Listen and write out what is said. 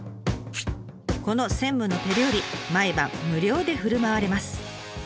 この専務の手料理毎晩無料でふるまわれます。